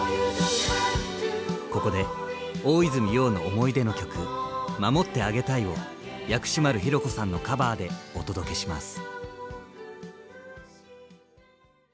ここで大泉洋の思い出の曲「守ってあげたい」を薬師丸ひろ子さんのカバーでお届けします。